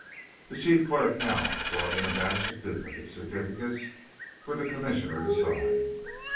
The chief clerk now brought in a batch of duplicate certificates for the Commissioner to sign.